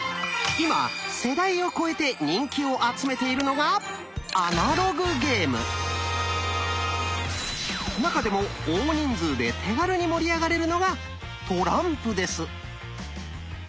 今世代を超えて人気を集めているのが中でも大人数で手軽に盛り上がれるのがトランプです。